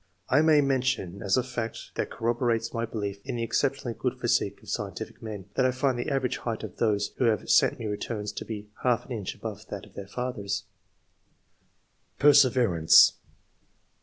I may mention, as a fact that corroborates my belief in the exceptionally good physique of scientific men, that I find the average height of those who have sent me returns, to be half an inch above that of their fathers. II.] QUALITIES. 103 PEKSEVERANCE.